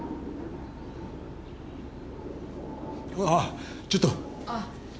あちょっと。